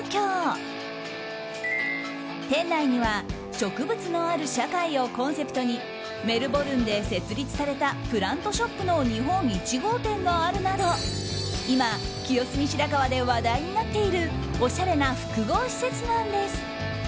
店内には植物のある社会をコンセプトにメルボルンで設立されたプラントショップの日本１号店があるなど今、清澄白河で話題になっているおしゃれな複合施設なんです。